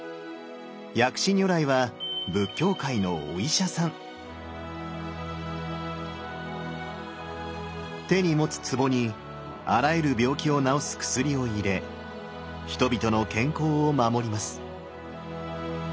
薬師如来は手に持つ壺にあらゆる病気を治す薬を入れ人々の健康を守ります。